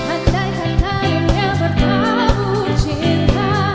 andai kata yang bertabur cinta